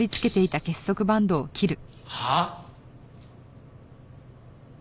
はあ？